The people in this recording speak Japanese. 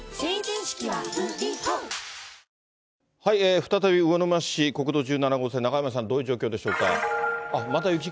再び魚沼市、国道１７号線、中山さん、どういう状況でしょうか。